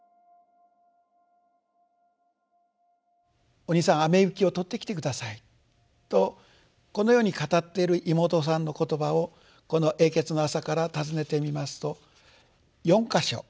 「お兄さん雨雪を取ってきて下さい」とこのように語っている妹さんの言葉をこの「永訣の朝」からたずねてみますと４か所。